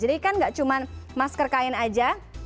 jadi kan nggak cuma masker kain saja